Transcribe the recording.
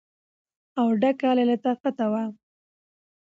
او ډکه له لطافت وه.